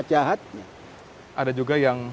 jahatnya ada juga yang